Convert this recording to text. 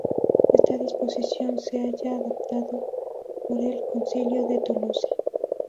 Esta disposición se halla adoptada por el Concilio de Tolosa.